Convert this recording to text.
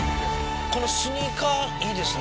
このスニーカーいいですね。